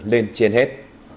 lên trên hết